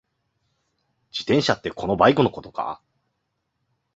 自転車ってこのバイクのことか？